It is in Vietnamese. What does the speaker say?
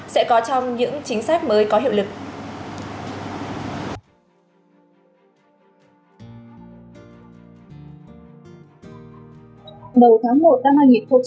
sẽ có trong những chính sách mới có hiệu lực